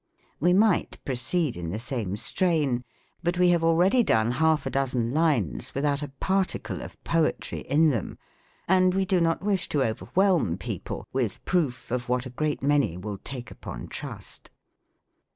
We might proceed in the same strain, but we have already done half a dozen lines without a particle of poetry in them ; and we do not wish to overwhelm people with proof: of what a great many will take upon trust.